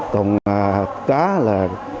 còn cá là